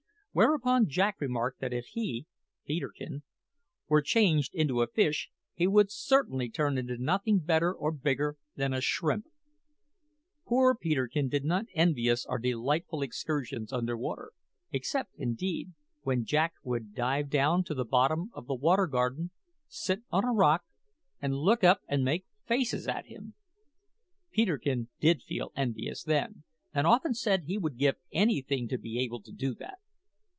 Whereupon Jack remarked that if he (Peterkin) were changed into a fish, he would certainly turn into nothing better or bigger than a shrimp. Poor Peterkin did not envy us our delightful excursions under water except, indeed, when Jack would dive down to the bottom of the Water Garden, sit down on a rock, and look up and make faces at him. Peterkin did feel envious then, and often said he would give anything to be able to do that.